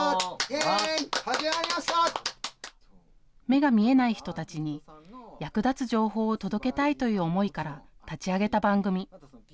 目が見えない人たちに役立つ情報を届けたいという思いから立ち上げた番組。